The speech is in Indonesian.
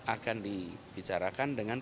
akan dibicarakan dengan